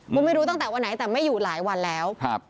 ก็ไม่รู้ตั้งแต่วันไหนแต่ไม่อยู่หลายวันแล้วครับ